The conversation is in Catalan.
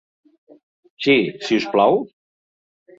Si, si us plau?